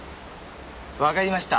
わかりました。